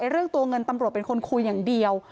เรื่องตัวเงินตำรวจเป็นคนคุยอย่างเดียว